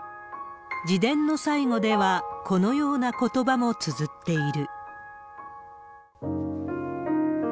自伝の最後では、このようなことばもつづっている。